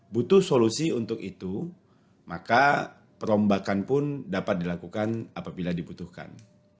butuh solusi untuk itu maka perombakan pun dapat dilakukan apabila dibutuhkan